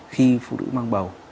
khi phụ nữ mang bầu